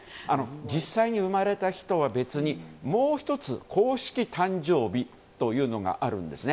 実際に生まれた日とは別にもう１つ公式誕生日というのがあるんですね。